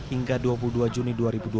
hingga dua puluh dua juni dua ribu dua puluh